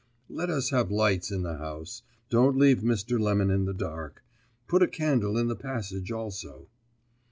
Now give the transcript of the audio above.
"Let us have lights in the house. Don't leave Mr. Lemon in the dark. Put a candle in the passage also."